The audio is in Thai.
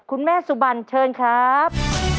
คุณแม่สุบันเชิญครับ